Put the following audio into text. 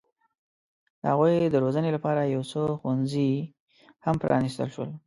د هغوی د روزنې لپاره یو څو ښوونځي هم پرانستل شول.